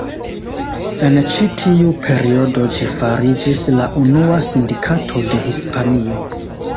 En ĉi tiu periodo ĝi fariĝis la unua sindikato de Hispanio.